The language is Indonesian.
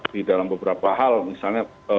di dalam beberapa hal misalnya